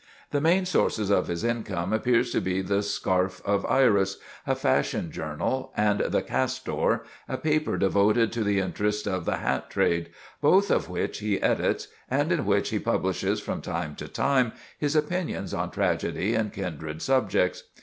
The main sources of his income appear to be "The Scarf of Iris," a fashion journal, and "The Castor," a paper devoted to the interests of the hat trade, both of which he edits, and in which he publishes from time to time his opinions on tragedy and kindred subjects.